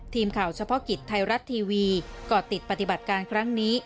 ทีมข่าวเฉพาะกิจไทยรัฐทีวีก่อติดปฏิบัติการครั้งนี้